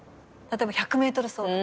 例えば１００ｍ走とか。